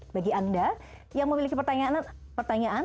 bagi anda yang memiliki pertanyaan